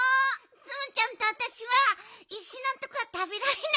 ツムちゃんとあたしはいしのとこはたべられなかった。